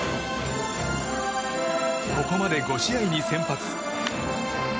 ここまで５試合に先発。